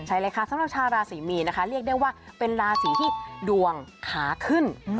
ใช่เลยค่ะสำหรับชาวราศีมีนนะคะเรียกได้ว่าเป็นราศีที่ดวงขาขึ้น